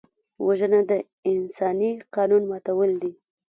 وژنه د انساني قانون ماتول دي